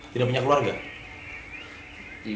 siapa yang suruh kamu masuk